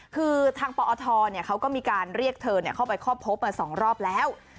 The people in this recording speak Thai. คือทางปอทเนี้ยเขาก็มีการเรียกเธอเนี้ยเข้าไปครอบพบมาสองรอบแล้ว